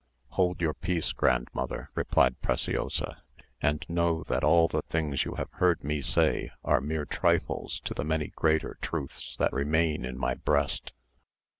"Hold your peace, grandmother," replied Preciosa; "and know that all the things you have heard me say are mere trifles to the many greater truths that remain in my breast."